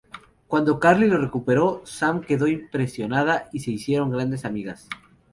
Cuando Carly lo recuperó, Sam quedó impresionada y se hicieron grandes amigas.